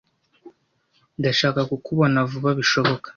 Ndashaka kukubona vuba bishoboka.